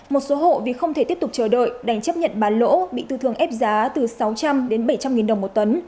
một số hộ vì không thể tiếp tục chờ đợi đành chấp nhận bán lỗ bị tư thường ép giá từ sáu trăm linh đến bảy trăm linh nghìn đồng một tấn